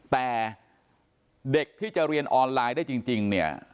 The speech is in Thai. แต่เด็กที่จะเรียนออนไลน์ได้จริงเนี่ย